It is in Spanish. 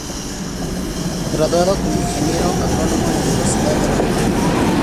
Graduado como ingeniero agrónomo en la Universidad de la República.